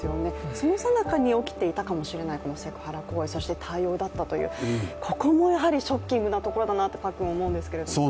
そのさなかに起きていたかもしれないこのセクハラ行為、そして対応だったというここもショッキングなところだと思うんですけど。